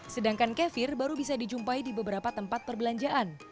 sedangkan kefir baru bisa dijumpai di beberapa tempat perbelanjaan